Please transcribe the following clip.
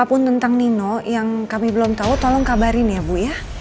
apapun tentang nino yang kami belum tahu tolong kabarin ya bu ya